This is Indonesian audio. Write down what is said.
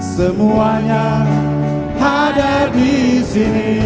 semuanya ada disini